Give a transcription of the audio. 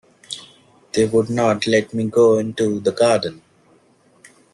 They would not let me into the garden.